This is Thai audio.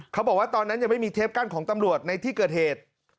เขาบอกว่าตอนนั้นยังไม่มีเทปกั้นของตำรวจในที่เกิดเหตุ